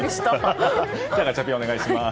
ガチャピン、お願いします。